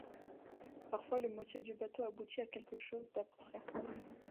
Parfois le motif du bateau aboutit à quelque chose d'abstrait.